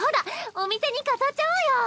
お店に飾っちゃおうよ！